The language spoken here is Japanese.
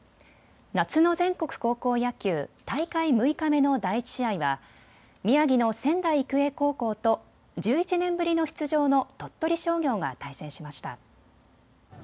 夏の全国高校野球、大会６日目の第１試合は宮城の仙台育英高校と１１年ぶりの出場の鳥取商業が対戦しました。